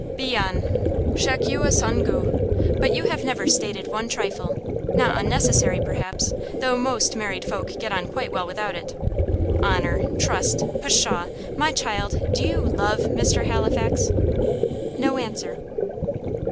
"Bien! chacun a son gout! But you have never stated one trifle not unnecessary, perhaps, though most married folk get on quite well without it 'Honour,' 'trust,' pshaw! My child do you LOVE Mr. Halifax?" No answer.